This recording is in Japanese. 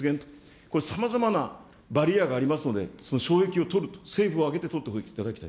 これ、さまざまなバリアがありますので、その障壁を取ると、政府を挙げて取っていただきたい。